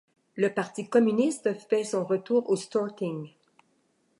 Le Parti communiste fait son retour au Storting.